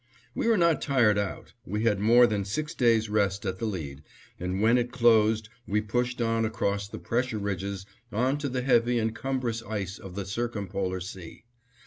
We were not tired out; we had had more than six days' rest at the lead; and when it closed we pushed on across the pressure ridges on to the heavy and cumbrous ice of the circumpolar sea.